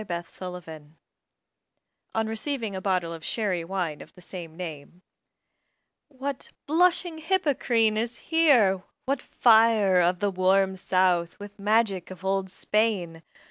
DON QUIXOTE On receiving a bottle of Sherry Wine of the same name What "blushing Hippocrene" is here! what fire Of the "warm South" with magic of old Spain!